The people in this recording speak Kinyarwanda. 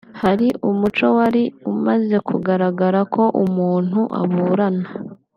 Hari umuco wari umaze kugaragara ko umuntu aburana